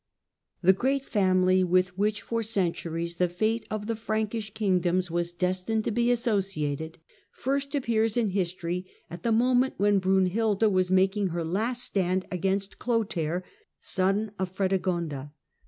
Arnulf of The great family with which for centuries the fate of 040 L ' the Frankish kingdoms was destined to be associated first appears in history at the moment when Brunhilda was making her last stand against Clotair, son of Frede gonda.